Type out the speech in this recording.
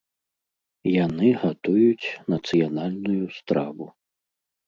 Яны гатуюць нацыянальную страву.